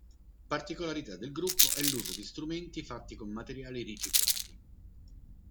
Particolarità del gruppo è l'uso di strumenti fatti con materiali riciclati.